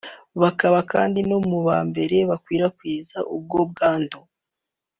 bakaba kandi no mu ba mbere bakwirakwiza ubwo bwandu